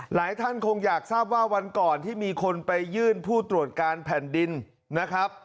หลายท่านคงอยากทราบว่าวันก่อนที่มีคนไปยื่นผู้ตรวจการแผ่นดินนะครับ